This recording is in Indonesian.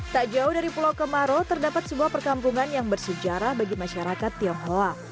tak jauh dari pulau kemaro terdapat sebuah perkampungan yang bersejarah bagi masyarakat tionghoa